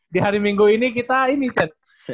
di hari minggu ini kita ini chat